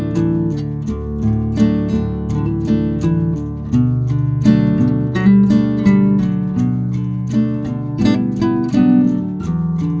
kamu tuh asi